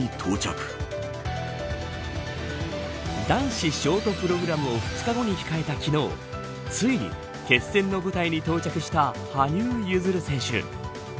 男子ショートプログラムを２日後に控えた昨日ついに決戦の舞台に到着した羽生結弦選手。